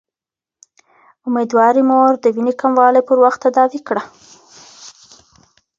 اميدوارې مورې، د وينې کموالی پر وخت تداوي کړه